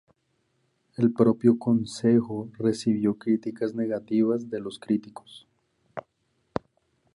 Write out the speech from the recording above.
El propio Consejo recibió críticas negativas de los críticos.